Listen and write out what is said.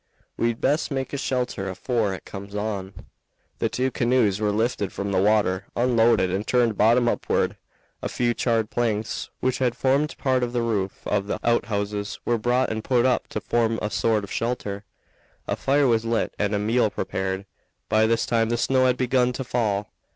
We'd best make a shelter afore it comes on." The two canoes were lifted from the water, unloaded, and turned bottom upward; a few charred planks, which had formed part of the roof of the outhouses, were brought and put up to form a sort of shelter. A fire was lit and a meal prepared. By this time the snow had begun to fall.